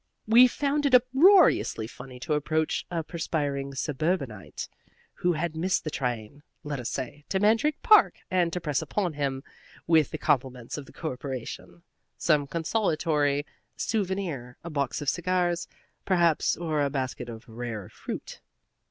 We found it uproariously funny to approach a perspiring suburbanite, who had missed the train (let us say) to Mandrake Park, and to press upon him, with the compliments of the Corporation, some consolatory souvenir a box of cigars, perhaps, or a basket of rare fruit.